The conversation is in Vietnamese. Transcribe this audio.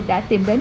đã tìm đến